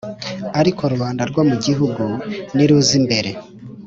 Ariko rubanda rwo mu gihugu niruza imbere